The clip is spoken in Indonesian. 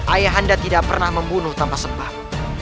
ayah anda tidak pernah membunuh tanpa sebab